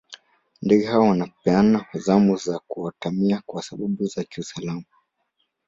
ndege hao wanapeana zamu za kuatamia kwa sababu za kiusalama